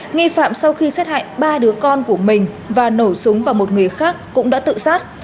nghi phạm sau khi sát hại ba đứa con của mình và nổ súng vào một người khác cũng đã tự sát